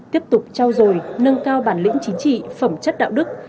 tiếp tục trao dồi nâng cao bản lĩnh chính trị phẩm chất đạo đức